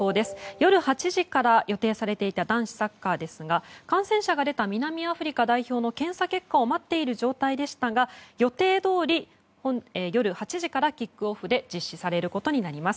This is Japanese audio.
夜８時から予定されていた男子サッカーですが感染者が出た南アフリカ代表の検査結果を待っている状態でしたが予定どおり夜８時からキックオフで実施されることになります。